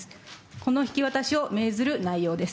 この引き渡しを命ずる内容です。